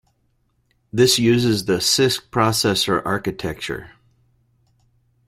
This uses the Cisc processor architecture.